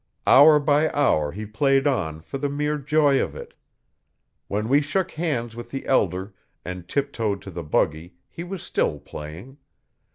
Hour by hour he played on for the mere joy of it. When we shook hands with the elder and tiptoed to the buggy he was still playing.